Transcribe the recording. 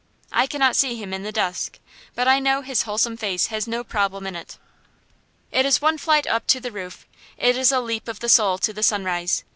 I cannot see him in the dusk, but I know his wholesome face has no problem in it. It is one flight up to the roof; it is a leap of the soul to the sunrise.